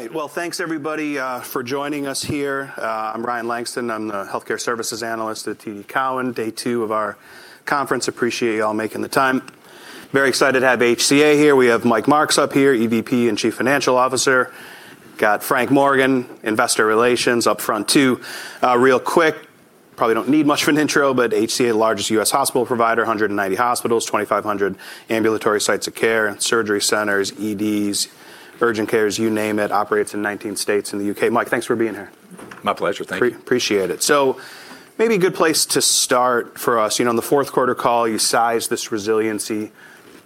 All right. Well, thanks everybody, for joining us here. I'm Ryan Langston. I'm the Healthcare Services Analyst at TD Cowen. Day two of our conference. Appreciate you all making the time. Very excited to have HCA here. We have Mike Marks up here, EVP and Chief Financial Officer. Got Frank Morgan, Investor Relations up front too. real quick, probably don't need much of an intro, but HCA, the largest U.S. hospital provider, 190 hospitals, 2,500 ambulatory sites of care, surgery centers, EDs, urgent cares, you name it, operates in 19 states in the U.K. Mike, thanks for being here. My pleasure. Thank you. Appreciate it. Maybe a good place to start for us. You know, on the fourth quarter call, you sized this resiliency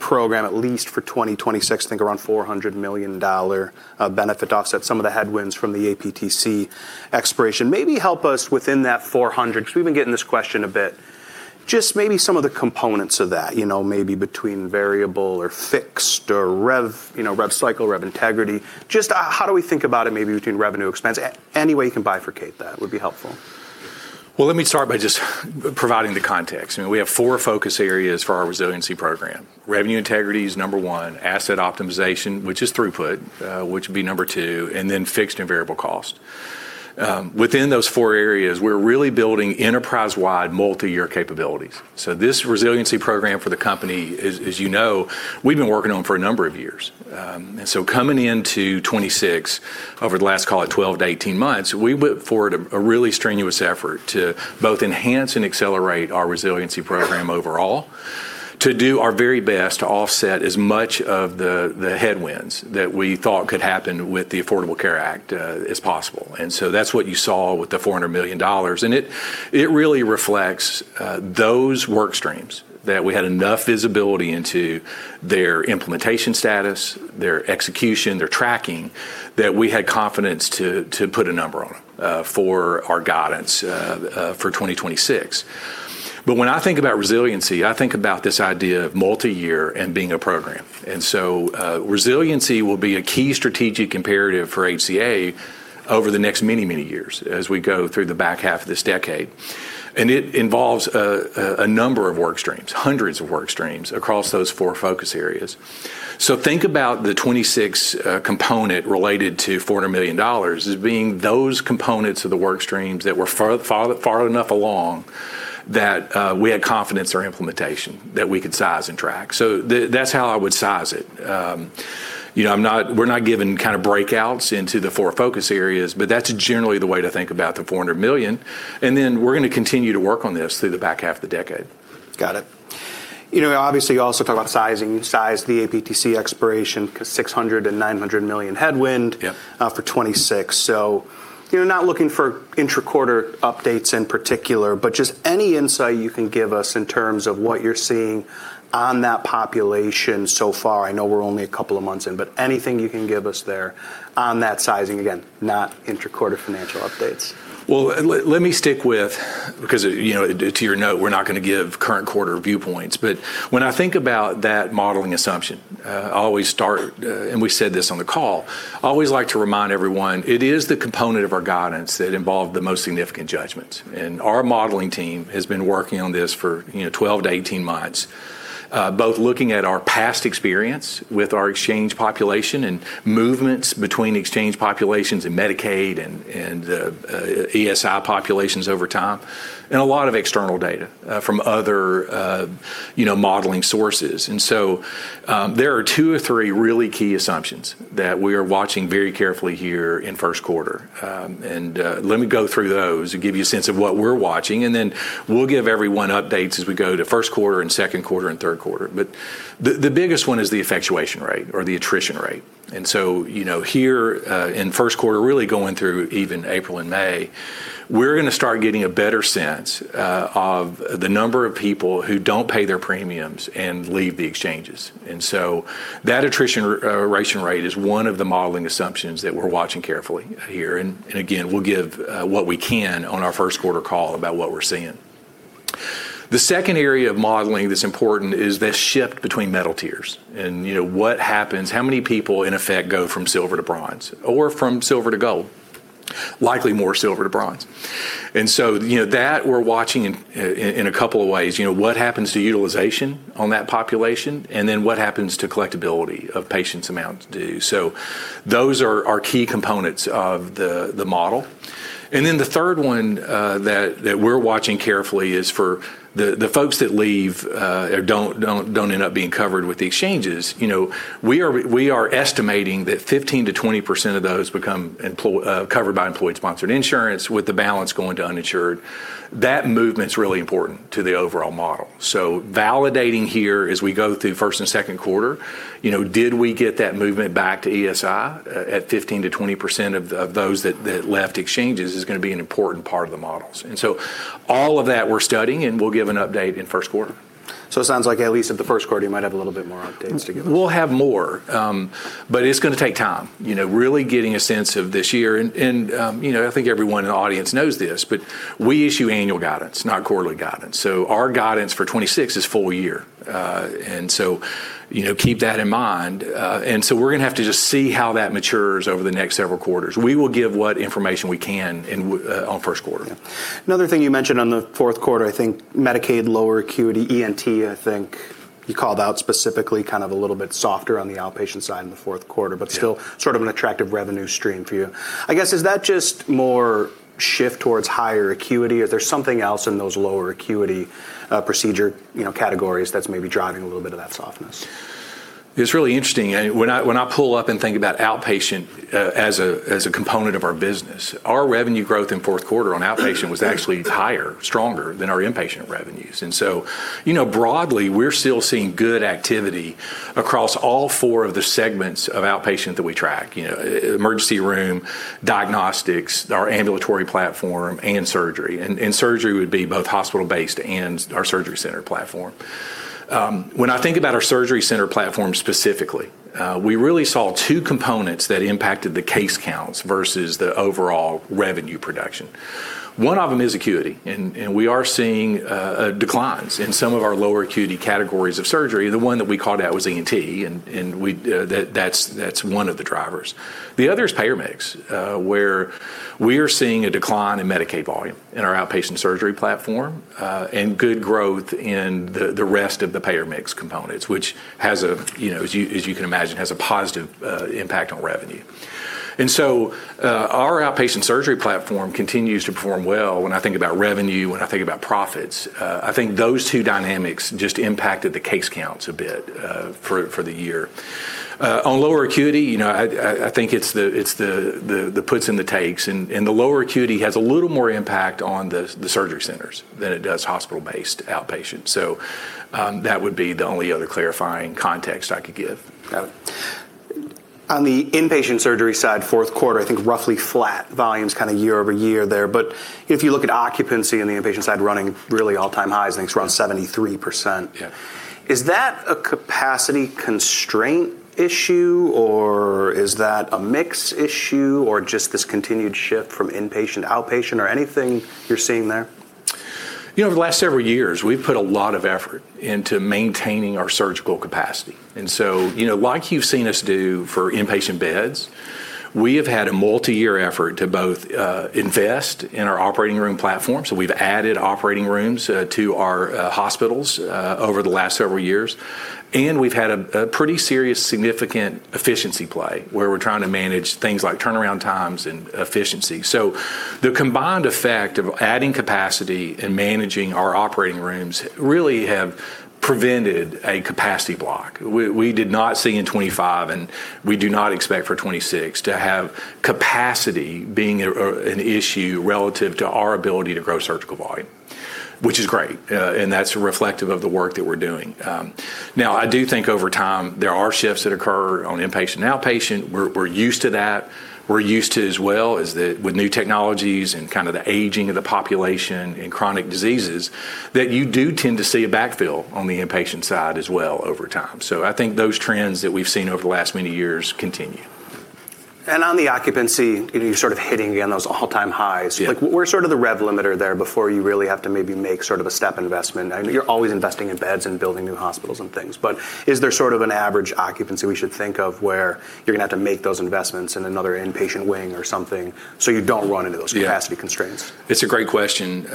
program at least for 2026, I think around a $400 million benefit offset, some of the headwinds from the APTC expiration. Maybe help us within that 400, 'cause we've been getting this question a bit, just maybe some of the components of that, you know, maybe between variable or fixed or rev, you know, revenue cycle, rev integrity. Just how do we think about it maybe between revenue expense? Any way you can bifurcate that would be helpful? Let me start by just providing the context. You know, we have four focus areas for our resiliency program. Revenue integrity is number one. Asset optimization, which is throughput, which would be number two, and then fixed and variable cost. Within those four areas, we're really building enterprise-wide multi-year capabilities. This resiliency program for the company is, as you know, we've been working on for a number of years. Coming into 2026, over the last, call it, 12-18 months, we went forward a really strenuous effort to both enhance and accelerate our resiliency program overall to do our very best to offset as much of the headwinds that we thought could happen with the Affordable Care Act as possible. That's what you saw with the $400 million. It really reflects those work streams that we had enough visibility into their implementation status, their execution, their tracking, that we had confidence to put a number on for our guidance for 2026. When I think about resiliency, I think about this idea of multi-year and being a program. Resiliency will be a key strategic imperative for HCA Healthcare over the next many years as we go through the back half of this decade. It involves a number of work streams, hundreds of work streams across those four focus areas. Think about the 2026 component related to $400 million as being those components of the work streams that were far enough along that we had confidence or implementation that we could size and track. That's how I would size it. You know, we're not giving kind of breakouts into the four focus areas, but that's generally the way to think about the $400 million. We're gonna continue to work on this through the back half of the decade. Got it. You know, obviously, you also talk about size, the APTC expiration, 'cause $600 million-$900 million headwind. Yeah... for 2026. You're not looking for intra-quarter updates in particular, but just any insight you can give us in terms of what you're seeing on that population so far. I know we're only a couple of months in, but anything you can give us there on that sizing. Not intra-quarter financial updates. Well, let me stick with because, you know, to your note, we're not gonna give current quarter viewpoints, but when I think about that modeling assumption, I always start, and we said this on the call, always like to remind everyone, it is the component of our guidance that involved the most significant judgments. Our modeling team has been working on this for, you know, 12-18 months, both looking at our past experience with our exchange population and movements between exchange populations and Medicaid and ESI populations over time, and a lot of external data from other, you know, modeling sources. There are two or three really key assumptions that we are watching very carefully here in first quarter. Let me go through those to give you a sense of what we're watching, and then we'll give everyone updates as we go to first quarter and second quarter and third quarter. The biggest one is the effectuation rate or the attrition rate. You know, here, in first quarter, really going through even April and May, we're gonna start getting a better sense of the number of people who don't pay their premiums and leave the exchanges. That attrition rate is one of the modeling assumptions that we're watching carefully here. Again, we'll give what we can on our first quarter call about what we're seeing. The second area of modeling that's important is this shift between metal tiers. You know, what happens, how many people, in effect, go from Silver to Bronze or from Silver to Gold? Likely more Silver to Bronze. You know, that we're watching in a couple of ways. You know, what happens to utilization on that population, and then what happens to collectibility of patients amounts due. Those are key components of the model. The third one that we're watching carefully is for the folks that leave or don't end up being covered with the exchanges. You know, we are estimating that 15%-20% of those become covered by employee-sponsored insurance, with the balance going to uninsured. That movement's really important to the overall model. Validating here as we go through first and second quarter, you know, did we get that movement back to ESI at 15%-20% of those that left exchanges is gonna be an important part of the models. All of that we're studying, and we'll give an update in first quarter. It sounds like at least at the first quarter, you might have a little bit more updates to give us. We'll have more. It's gonna take time. You know, really getting a sense of this year and, you know, I think everyone in the audience knows this. We issue annual guidance, not quarterly guidance. Our guidance for 2026 is full year. You know, keep that in mind. We're gonna have to just see how that matures over the next several quarters. We will give what information we can on first quarter. Yeah. Another thing you mentioned on the fourth quarter, I think Medicaid, lower acuity ENT, I think you called out specifically kind of a little bit softer on the outpatient side in the fourth quarter. Yeah... but still sort of an attractive revenue stream for you. I guess, is that just more shift towards higher acuity, or there's something else in those lower acuity, procedure, you know, categories that's maybe driving a little bit of that softness? It's really interesting. When I pull up and think about outpatient, as a, as a component of our business, our revenue growth in fourth quarter on outpatient was actually higher, stronger than our inpatient revenues. You know, broadly, we're still seeing good activity across all four of the segments of outpatient that we track. You know, emergency room, diagnostics, our ambulatory platform, and surgery. Surgery would be both hospital-based and our surgery center platform. When I think about our surgery center platform specifically, we really saw two components that impacted the case counts versus the overall revenue production. One of them is acuity, and we are seeing declines in some of our lower acuity categories of surgery. The one that we called out was ENT, and that's one of the drivers. The other is payer mix, where we are seeing a decline in Medicaid volume in our outpatient surgery platform, and good growth in the rest of the payer mix components, which has a, you know, as you, as you can imagine, has a positive impact on revenue. Our outpatient surgery platform continues to perform well when I think about revenue, when I think about profits. I think those two dynamics just impacted the case counts a bit, for the year. On lower acuity, you know, I think it's the, it's the puts and the takes, and the lower acuity has a little more impact on the surgery centers than it does hospital-based outpatient. That would be the only other clarifying context I could give. Got it. On the inpatient surgery side, fourth quarter, I think roughly flat volumes kinda year-over-year there. If you look at occupancy on the inpatient side running really all-time highs, I think it's around 73%. Yeah. Is that a capacity constraint issue, or is that a mix issue, or just this continued shift from inpatient to outpatient, or anything you're seeing there? You know, over the last several years, we've put a lot of effort into maintaining our surgical capacity. You know, like you've seen us do for inpatient beds, we have had a multiyear effort to both invest in our operating room platform, so we've added operating rooms to our hospitals over the last several years, and we've had a pretty serious significant efficiency play where we're trying to manage things like turnaround times and efficiency. The combined effect of adding capacity and managing our operating rooms really have prevented a capacity block. We did not see in 2025, and we do not expect for 2026 to have capacity being an issue relative to our ability to grow surgical volume, which is great, and that's reflective of the work that we're doing. I do think over time, there are shifts that occur on inpatient and outpatient. We're used to that. We're used to as well is that with new technologies and kind of the aging of the population and chronic diseases, that you do tend to see a backfill on the inpatient side as well over time. I think those trends that we've seen over the last many years continue. On the occupancy, you know, you're sort of hitting again those all-time highs. Yeah. Like, what's sort of the rev limiter there before you really have to maybe make sort of a step investment? I mean, you're always investing in beds and building new hospitals and things. Is there sort of an average occupancy we should think of where you're gonna have to make those investments in another inpatient wing or something so you don't run into? Yeah... capacity constraints? It's a great question.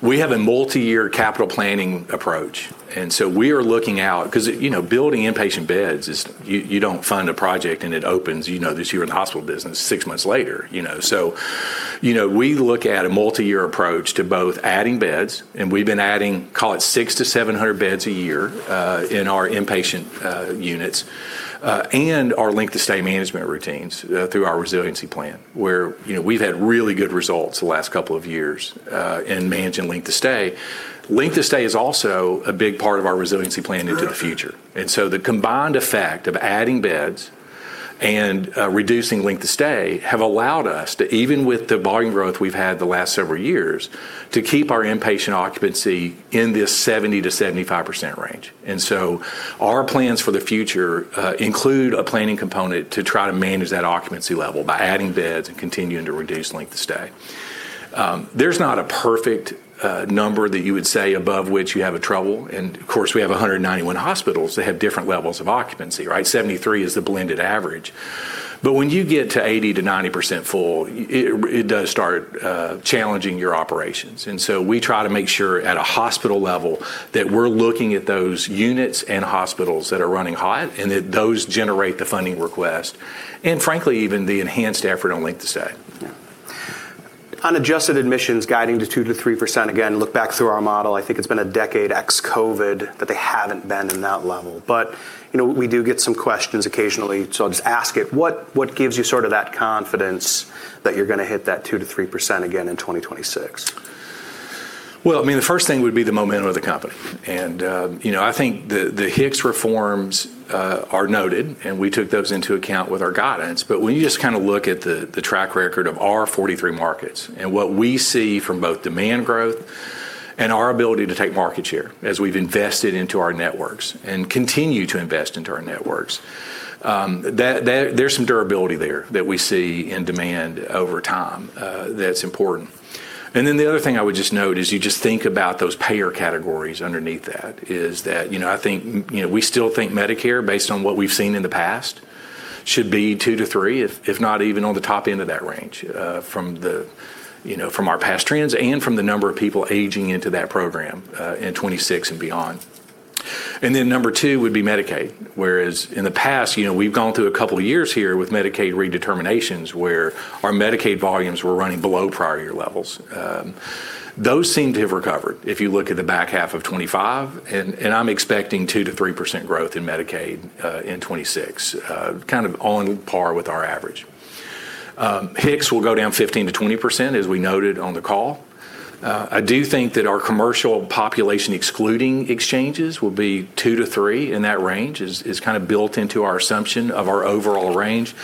We have a multi-year capital planning approach. We are looking out because, you know, building inpatient beds is you don't fund a project, and it opens, you know, this year in the hospital business six months later, you know. We look at a multi-year approach to both adding beds, and we've been adding, call it 600-700 beds a year, in our inpatient units, and our length of stay management routines, through our resiliency plan, where, you know, we've had really good results the last couple of years, in managing length of stay. Length of stay is also a big part of our resiliency plan into the future. The combined effect of adding beds and reducing length of stay have allowed us to, even with the volume growth we've had the last several years, to keep our inpatient occupancy in this 70%-75% range. Our plans for the future include a planning component to try to manage that occupancy level by adding beds and continuing to reduce length of stay. There's not a perfect number that you would say above which you have a trouble. We have 191 hospitals that have different levels of occupancy, right? 73 is the blended average. When you get to 80%-90% full, it does start challenging your operations. We try to make sure at a hospital level that we're looking at those units and hospitals that are running hot and that those generate the funding request and frankly, even the enhanced effort on length of stay. Yeah. Unadjusted admissions guiding to 2%-3%. Again, look back through our model. I think it's been a decade ex-COVID that they haven't been in that level. You know, we do get some questions occasionally, so I'll just ask it. What gives you sort of that confidence that you're gonna hit that 2%-3% again in 2026? Well, I mean, the first thing would be the momentum of the company. You know, I think the HIX reforms are noted, and we took those into account with our guidance. When you just kinda look at the track record of our 43 markets and what we see from both demand growth and our ability to take market share as we've invested into our networks and continue to invest into our networks, that there's some durability there that we see in demand over time, that's important. The other thing I would just note is you just think about those payer categories underneath that, is that, you know, I think, you know, we still think Medicare, based on what we've seen in the past, should be 2%-3%, if not even on the top end of that range, from the, you know, from our past trends and from the number of people aging into that program, in 2026 and beyond. Number two would be Medicaid, whereas in the past, you know, we've gone through a couple of years here with Medicaid redeterminations where our Medicaid volumes were running below prior year levels. Those seem to have recovered if you look at the back half of 2025, and I'm expecting 2%-3% growth in Medicaid, in 2026, kind of on par with our average. HIX will go down 15%-20% as we noted on the call. I do think that our commercial population excluding exchanges will be 2%-3%, in that range. It's kinda built into our assumption of our overall range.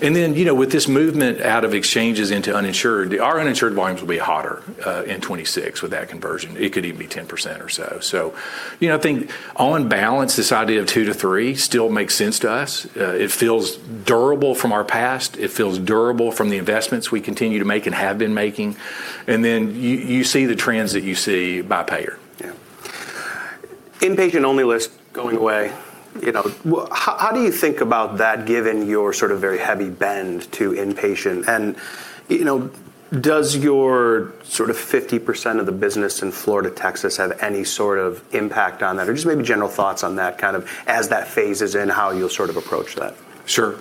You know, with this movement out of exchanges into uninsured, our uninsured volumes will be hotter in 2026 with that conversion. It could even be 10% or so. You know, I think on balance, this idea of 2%-3% still makes sense to us. It feels durable from our past, it feels durable from the investments we continue to make and have been making, and then you see the trends that you see by payer. Yeah. Inpatient Only List going away, you know, how do you think about that given your sort of very heavy bend to inpatient? You know, does your sort of 50% of the business in Florida, Texas, have any sort of impact on that? Just maybe general thoughts on that kind of as that phases in, how you'll sort of approach that. Sure.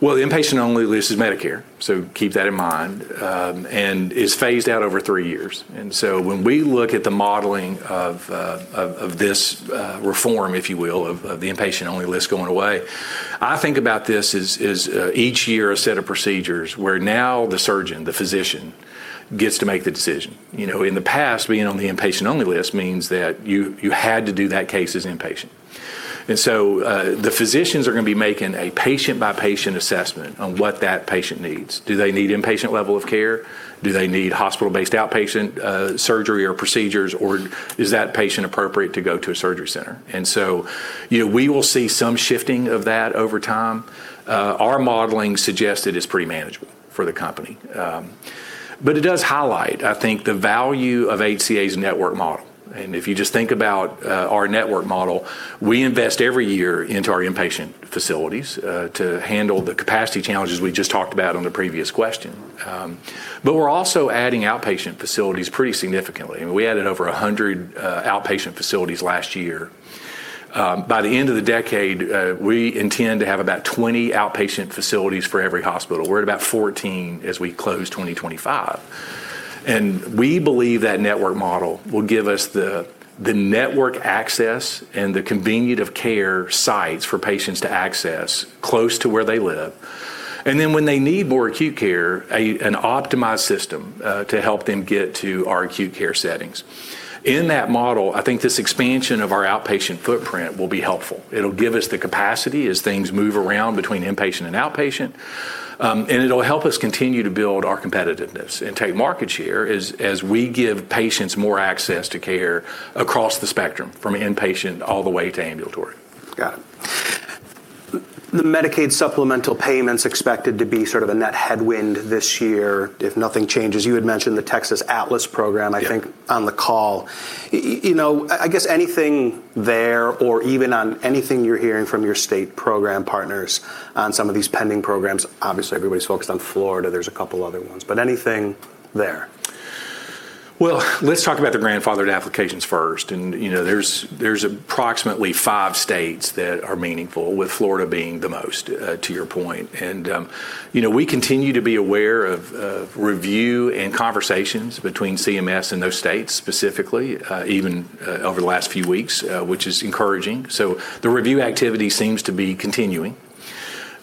Well, the Inpatient Only List is Medicare, so keep that in mind. It's phased out over three years. When we look at the modeling of this reform, if you will, of the Inpatient Only List going away, I think about this as each year a set of procedures where now the surgeon, the physician, gets to make the decision. You know, in the past, being on the Inpatient Only List means that you had to do that case as inpatient. The physicians are gonna be making a patient-by-patient assessment on what that patient needs. Do they need inpatient level of care? Do they need hospital-based outpatient surgery or procedures, or is that patient appropriate to go to a surgery center? You know, we will see some shifting of that over time. Our modeling suggests it is pretty manageable for the company. It does highlight, I think, the value of HCA's network model. If you just think about our network model, we invest every year into our inpatient facilities to handle the capacity challenges we just talked about on the previous question. We're also adding outpatient facilities pretty significantly. I mean, we added over 100 outpatient facilities last year. By the end of the decade, we intend to have about 20 outpatient facilities for every hospital. We're at about 14 as we close 2025. We believe that network model will give us the network access and the convenient of care sites for patients to access close to where they live. When they need more acute care, an optimized system to help them get to our acute care settings. In that model, I think this expansion of our outpatient footprint will be helpful. It'll give us the capacity as things move around between inpatient and outpatient, and it'll help us continue to build our competitiveness and take market share as we give patients more access to care across the spectrum, from inpatient all the way to ambulatory. Got it. The Medicaid supplemental payments expected to be sort of a net headwind this year if nothing changes. You had mentioned the Texas ATLAS program- Yeah... I think on the call. You know, I guess anything there or even on anything you're hearing from your state program partners on some of these pending programs. Obviously, everybody's focused on Florida. There's a couple other ones, but anything there? Let's talk about the grandfathered applications first. you know, there's approximately 5 states that are meaningful, with Florida being the most to your point. you know, we continue to be aware of review and conversations between CMS and those states specifically, even over the last few weeks, which is encouraging. The review activity seems to be continuing.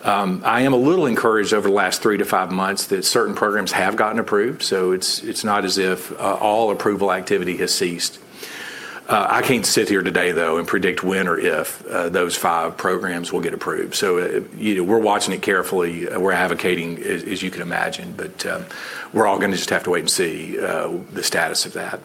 I am a little encouraged over the last three-five months that certain programs have gotten approved, so it's not as if all approval activity has ceased. I can't sit here today, though, and predict when or if those 5 programs will get approved. you know, we're watching it carefully. We're advocating, as you can imagine. we're all gonna just have to wait and see the status of that.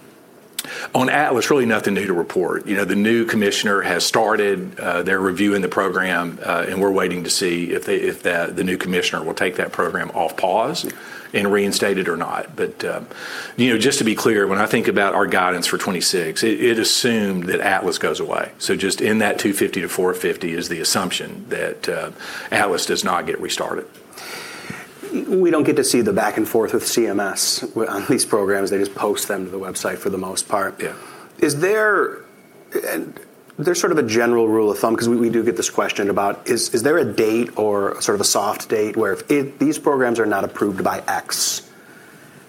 On Atlas, really nothing new to report. You know, the new commissioner has started, their review in the program, and we're waiting to see if the new commissioner will take that program off pause and reinstate it or not. You know, just to be clear, when I think about our guidance for 2026, it assumed that Atlas goes away. Just in that $250 million-$450 million is the assumption that Atlas does not get restarted. We don't get to see the back and forth with CMS on these programs. They just post them to the website for the most part. Yeah. There's sort of a general rule of thumb, because we do get this question about, is there a date or sort of a soft date where if these programs are not approved by X,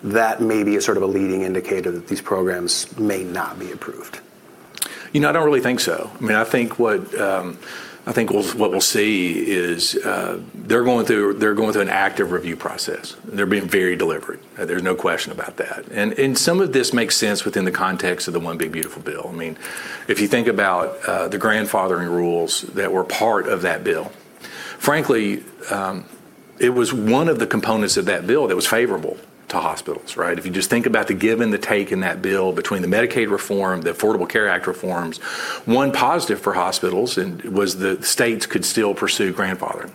that may be a sort of a leading indicator that these programs may not be approved? You know, I don't really think so. I mean, I think what we'll see is they're going through an active review process. They're being very deliberate. There's no question about that. Some of this makes sense within the context of the One Big Beautiful Bill. I mean, if you think about the grandfathering rules that were part of that bill, frankly, it was one of the components of that bill that was favorable to hospitals, right? If you just think about the give and the take in that bill between the Medicaid reform, the Affordable Care Act reforms, one positive for hospitals was the states could still pursue grandfathering.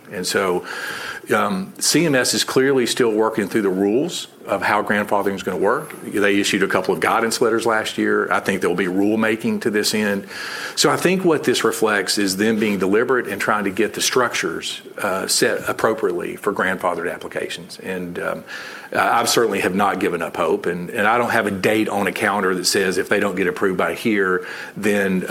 CMS is clearly still working through the rules of how grandfathering is gonna work. They issued a couple of guidance letters last year. I think there'll be rulemaking to this end. I think what this reflects is them being deliberate and trying to get the structures set appropriately for grandfathered applications. I certainly have not given up hope, and I don't have a date on a calendar that says, "If they don't get approved by here, then,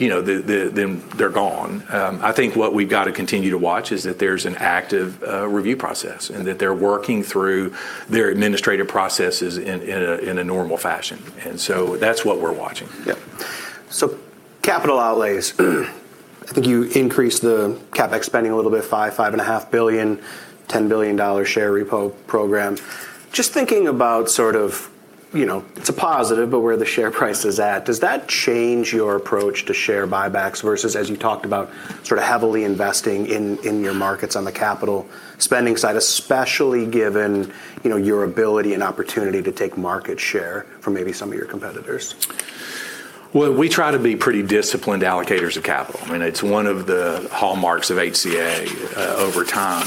you know, then they're gone." I think what we've got to continue to watch is that there's an active review process and that they're working through their administrative processes in a, in a normal fashion. That's what we're watching. Capital outlays. I think you increased the CapEx spending a little bit, $5 billion-$5.5 billion, $10 billion share repo program. Just thinking about sort of, you know, it's a positive, but where the share price is at, does that change your approach to share buybacks versus as you talked about sort of heavily investing in your markets on the capital spending side, especially given, you know, your ability and opportunity to take market share from maybe some of your competitors? we try to be pretty disciplined allocators of capital, and it's one of the hallmarks of HCA over time.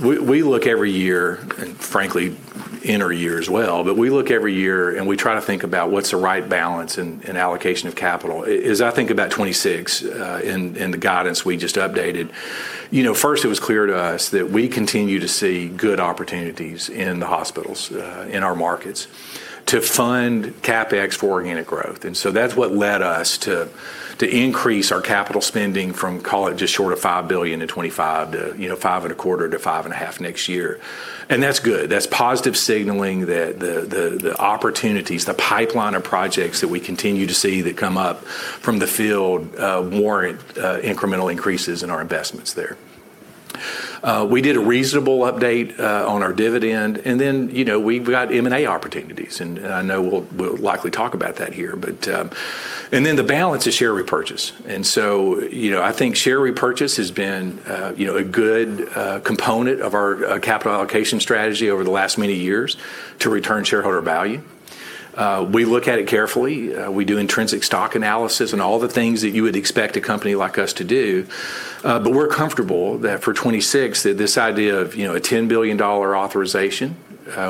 We look every year, and frankly inter year as well, but we look every year, and we try to think about what's the right balance in allocation of capital. Is, I think, about 2026 in the guidance we just updated. You know, first it was clear to us that we continue to see good opportunities in the hospitals in our markets to fund CapEx for organic growth. That's what led us to increase our capital spending from call it just short of $5 billion to 2025 to, you know, $5.25 billion-$5.5 billion next year. That's good. That's positive signaling that the opportunities, the pipeline of projects that we continue to see that come up from the field, warrant incremental increases in our investments there. We did a reasonable update on our dividend, and then, you know, we'll likely talk about that here. Then the balance is share repurchase. So, you know, I think share repurchase has been, you know, a good component of our capital allocation strategy over the last many years to return shareholder value. We look at it carefully. We do intrinsic stock analysis and all the things that you would expect a company like us to do. But we're comfortable that for 2026, that this idea of, you know, a $10 billion authorization,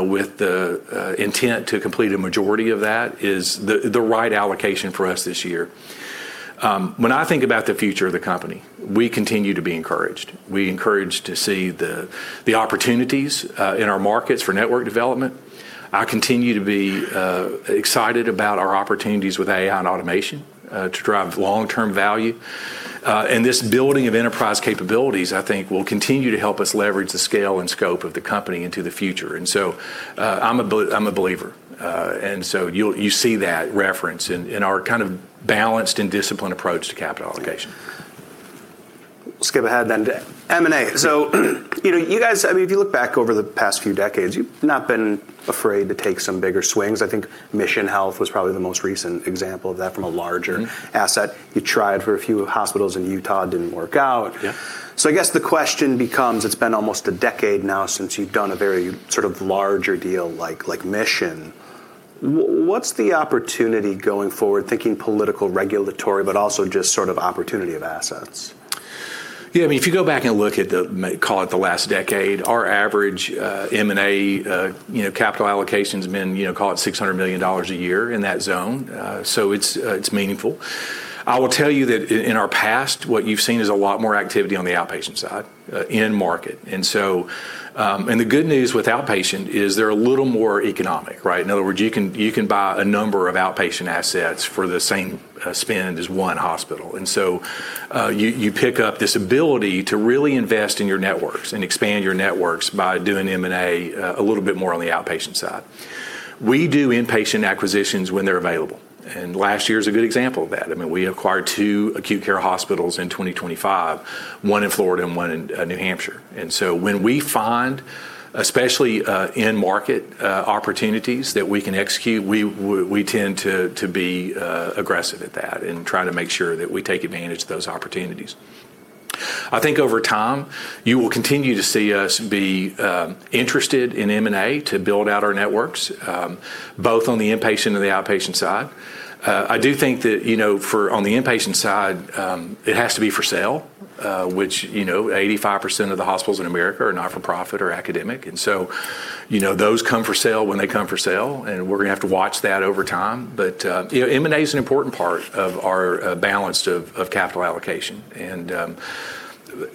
with the intent to complete a majority of that is the right allocation for us this year. When I think about the future of the company, we continue to be encouraged. We encouraged to see the opportunities in our markets for network development. I continue to be excited about our opportunities with AI and automation to drive long-term value. This building of enterprise capabilities, I think, will continue to help us leverage the scale and scope of the company into the future. I'm a believer. You see that reference in our kind of balanced and disciplined approach to capital allocation. Skip ahead to M&A. You know, you guys, I mean, if you look back over the past few decades, you've not been afraid to take some bigger swings. I think Mission Health was probably the most recent example of that from a larger. Mm-hmm. asset. You tried for a few hospitals in Utah, didn't work out. Yeah. I guess the question becomes, it's been almost a decade now since you've done a very sort of larger deal like Mission. What's the opportunity going forward, thinking political, regulatory, but also just sort of opportunity of assets? Yeah, I mean, if you go back and look at the call it the last decade, our average M&A, you know, capital allocation's been, you know, call it $600 million a year in that zone. It's meaningful. I will tell you that in our past, what you've seen is a lot more activity on the outpatient side in market. The good news with outpatient is they're a little more economic, right? In other words, you can buy a number of outpatient assets for the same spend as one hospital. You pick up this ability to really invest in your networks and expand your networks by doing M&A a little bit more on the outpatient side. We do inpatient acquisitions when they're available, and last year's a good example of that. I mean, we acquired two acute care hospitals in 2025, one in Florida and one in New Hampshire. When we find, especially, in-market opportunities that we can execute, we tend to be aggressive at that and try to make sure that we take advantage of those opportunities. I think over time, you will continue to see us be interested in M&A to build out our networks, both on the inpatient and the outpatient side. I do think that, you know, for, on the inpatient side, it has to be for sale, which, you know, 85% of the hospitals in America are not-for-profit or academic. You know, those come for sale when they come for sale, and we're gonna have to watch that over time. You know, M&A is an important part of our balance of capital allocation.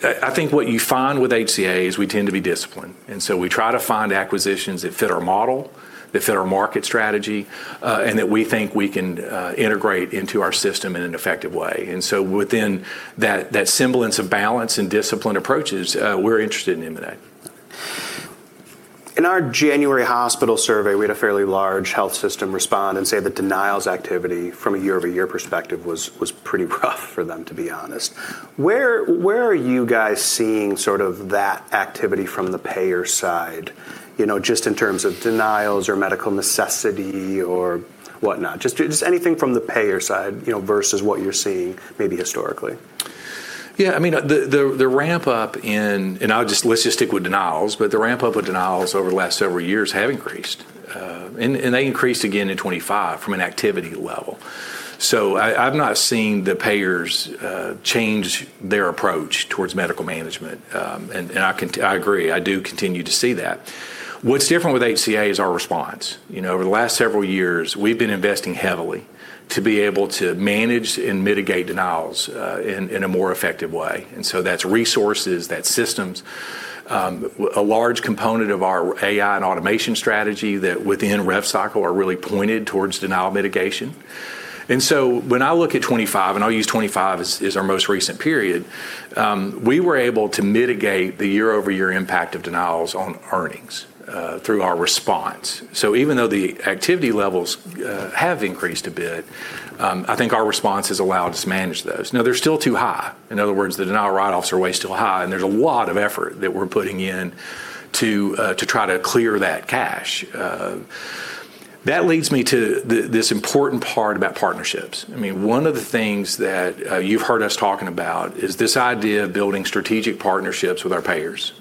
I think what you find with HCA is we tend to be disciplined, and so we try to find acquisitions that fit our model, that fit our market strategy, and that we think we can integrate into our system in an effective way. Within that semblance of balance and disciplined approaches, we're interested in M&A. In our January hospital survey, we had a fairly large health system respond and say that denials activity from a year-over-year perspective was pretty rough for them, to be honest. Where are you guys seeing sort of that activity from the payer side, you know, just in terms of denials or medical necessity or whatnot? Just anything from the payer side, you know, versus what you're seeing maybe historically. Yeah, I mean, the ramp up in let's just stick with denials, but the ramp up with denials over the last several years have increased. And they increased again in 2025 from an activity level. I've not seen the payers change their approach towards medical management. And I agree, I do continue to see that. What's different with HCA is our response. You know, over the last several years, we've been investing heavily to be able to manage and mitigate denials in a more effective way. That's resources, that's systems. A large component of our AI and automation strategy that within revenue cycle are really pointed towards denial mitigation. When I look at 2025, and I'll use 2025 as our most recent period, we were able to mitigate the year-over-year impact of denials on earnings through our response. Even though the activity levels have increased a bit, I think our response has allowed us to manage those. They're still too high. In other words, the denial write-offs are way still high, and there's a lot of effort that we're putting in to try to clear that cache. That leads me to this important part about partnerships. I mean, one of the things that you've heard us talking about is this idea of building strategic partnerships with our payers.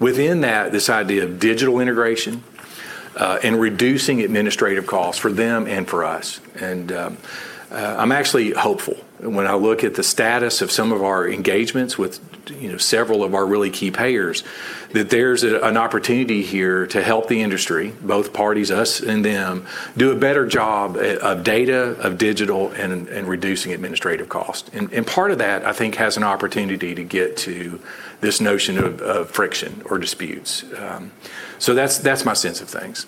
Within that, this idea of digital integration, and reducing administrative costs for them and for us. I'm actually hopeful when I look at the status of some of our engagements with, you know, several of our really key payers, that there's an opportunity here to help the industry, both parties, us and them, do a better job at, of data, of digital and reducing administrative costs. Part of that, I think, has an opportunity to get to this notion of friction or disputes. That's my sense of things.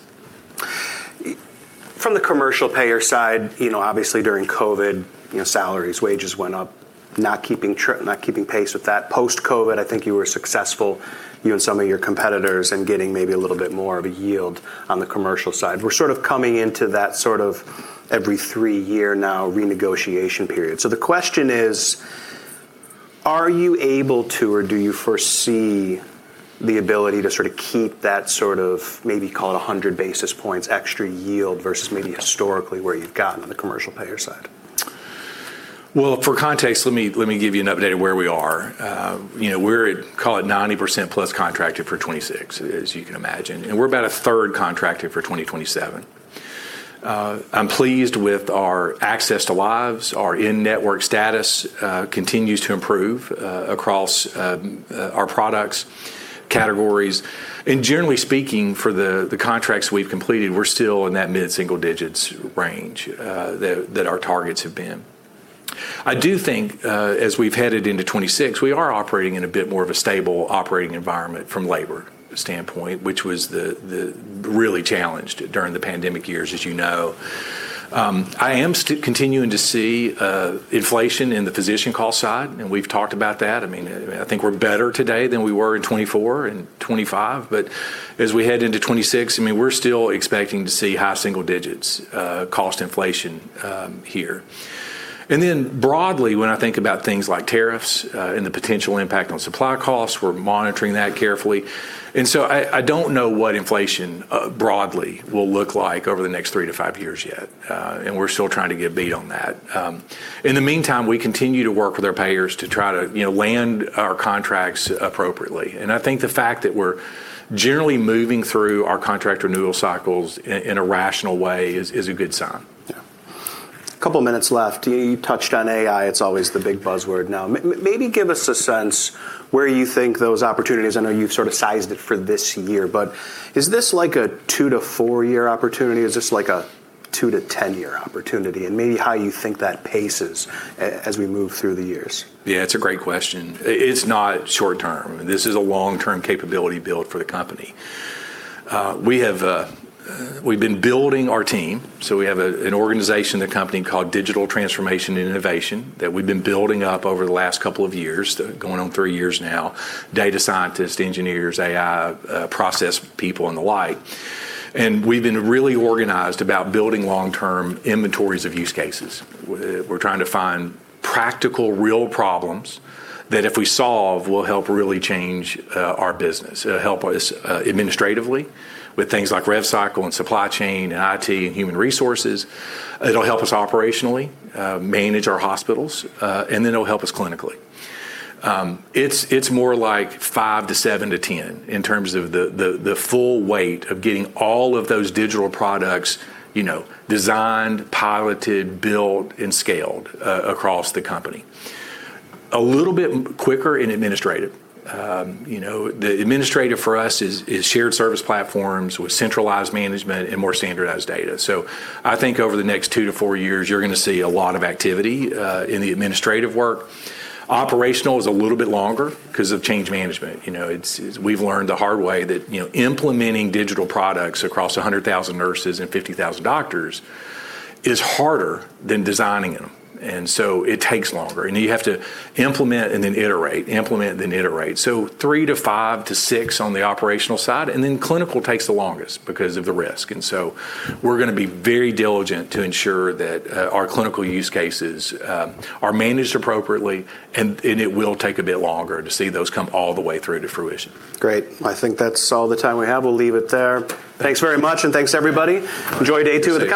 From the commercial payer side, you know, obviously during COVID, you know, salaries, wages went up, not keeping pace with that. Post-COVID, I think you were successful, you and some of your competitors, in getting maybe a little bit more of a yield on the commercial side. We're sort of coming into that sort of every three year now renegotiation period. The question is: Are you able to, or do you foresee the ability to sort of keep that sort of maybe call it 100 basis points extra yield versus maybe historically where you've gotten on the commercial payer side? Well, for context, let me give you an update of where we are. you know, we're at, call it 90% plus contracted for 2026, as you can imagine, and we're about a third contracted for 2027. I'm pleased with our access to lives. Our in-network status continues to improve across our products, categories. Generally speaking, for the contracts we've completed, we're still in that mid-single digits range that our targets have been. I do think, as we've headed into 2026, we are operating in a bit more of a stable operating environment from labor standpoint, which was really challenged during the pandemic years, as you know. I am continuing to see inflation in the physician call side, and we've talked about that. I mean, I think we're better today than we were in 2024 and 2025. As we head into 2026, I mean, we're still expecting to see high single digits, cost inflation, here. Broadly, when I think about things like tariffs, and the potential impact on supply costs, we're monitoring that carefully. I don't know what inflation, broadly will look like over the next three to five years yet. We're still trying to get a beat on that. In the meantime, we continue to work with our payers to try to, you know, land our contracts appropriately. I think the fact that we're generally moving through our contract renewal cycles in a rational way is a good sign. Yeah. A couple of minutes left. You touched on AI. It's always the big buzzword now. Maybe give us a sense where you think those opportunities, I know you've sort of sized it for this year, but is this like a two to four year opportunity? Is this like a two to 10 year opportunity? Maybe how you think that paces as we move through the years. Yeah, it's a great question. It's not short-term. This is a long-term capability build for the company. We have, we've been building our team, so we have an organization, a company called Digital Transformation and Innovation that we've been building up over the last two years, going on three years now. Data scientists, engineers, AI, process people and the like. We've been really organized about building long-term inventories of use cases. We're trying to find practical, real problems that if we solve, will help really change our business, help us administratively with things like revenue cycle and supply chain and IT and human resources. It'll help us operationally manage our hospitals, it'll help us clinically. It's more like 5 to 7 to 10 in terms of the full weight of getting all of those digital products, you know, designed, piloted, built, and scaled across the company. A little bit quicker in administrative. You know, the administrative for us is shared service platforms with centralized management and more standardized data. I think over the next two to four years, you're gonna see a lot of activity in the administrative work. Operational is a little bit longer 'cause of change management. You know, it's, we've learned the hard way that, you know, implementing digital products across 100,000 nurses and 50,000 doctors is harder than designing them. It takes longer, and you have to implement and then iterate, implement, then iterate. Three to five to six on the operational side, clinical takes the longest because of the risk, we're gonna be very diligent to ensure that our clinical use cases are managed appropriately, and it will take a bit longer to see those come all the way through to fruition. Great. I think that's all the time we have. We'll leave it there. Thanks very much and thanks everybody. Enjoy day two of the conference